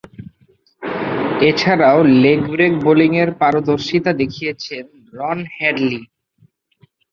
এছাড়াও, leg break বোলিংয়ে পারদর্শীতা দেখিয়েছেন রন হ্যাডলি।